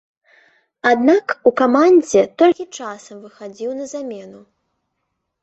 Аднак у камандзе толькі часам выхадзіў на замену.